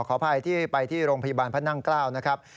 ขออภัยที่ไปที่โรงพยาบาลพระนั่งเกล้านะครับ